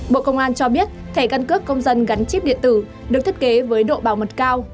bộ công an cho biết thẻ căn cước công dân gắn chip điện tử được thiết kế với độ bảo mật cao